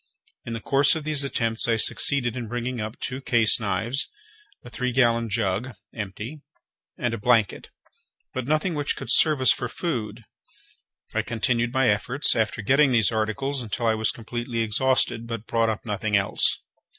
In the course of these attempts I succeeded in bringing up two case knives, a three gallon jug, empty, and a blanket, but nothing which could serve us for food. I continued my efforts, after getting these articles, until I was completely exhausted, but brought up nothing else.